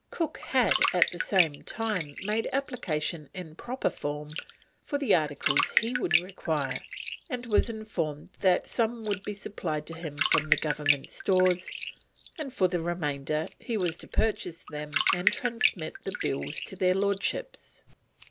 Cook had at the same time made application in proper form for the articles he would require, and was informed that some would be supplied to him from the Government Stores, and for the remainder, he was to purchase them and transmit the bills to their Lordships.